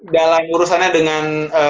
dalam urusannya dengan